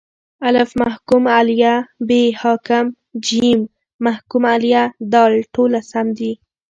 الف: محکوم علیه ب: حاکم ج: محکوم علیه د: ټوله سم دي